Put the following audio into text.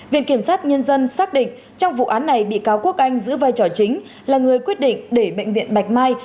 viện kiểm sát nhân dân xác định trong vụ án này bị cáo quốc anh giữ vai trò chính là người quyết định để bệnh viện bạch mai